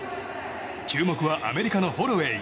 注目はアメリカのホロウェイ。